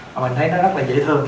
mà mình thấy nó rất là dễ thương